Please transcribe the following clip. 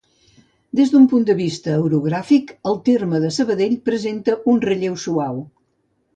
Des del punt de vista orogràfic el terme de Sabadell presenta un relleu suau